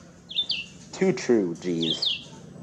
Too true, Jeeves.